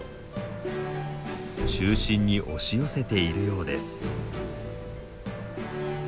中心に押し寄せているようです。